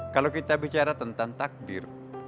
kalau kita bicara tentang takdir